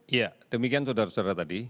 ya demikian saudara saudara tadi